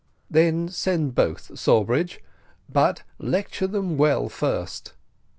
"Well, then send both, Sawbridge, but lecture them well first."